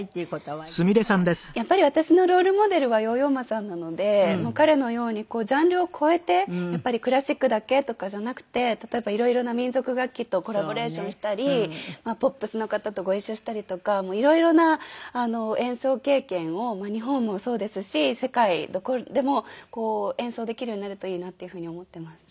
やっぱり私のロールモデルはヨーヨー・マさんなので彼のようにジャンルを超えてやっぱりクラシックだけとかじゃなくて例えばいろいろな民族楽器とコラボレーションしたりポップスの方とご一緒したりとかいろいろな演奏経験を日本もそうですし世界どこでも演奏できるようになるといいなっていう風に思ってます。